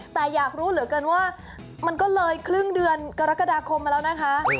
แต่อยากรู้เหลือเกินว่ามันก็เลยครึ่งเดือนกรกฎาคมมาแล้วนะคะ